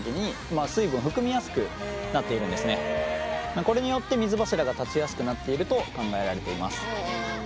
これによって水柱が立ちやすくなっていると考えられています。